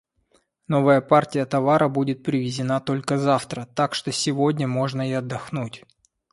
Новая партия товара будет привезена только завтра. Так что сегодня можно и отдохнуть.